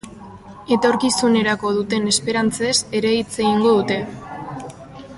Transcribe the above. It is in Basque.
Etorkizunerako duten esperantzez ere hitz egingo dute.